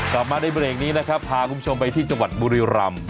กลับมาในเบรกนี้นะครับพาคุณผู้ชมไปที่จังหวัดบุรีรำ